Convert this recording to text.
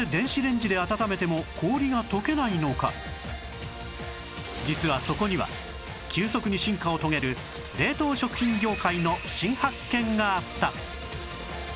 しかし実はそこには急速に進化を遂げる冷凍食品業界の新発見があった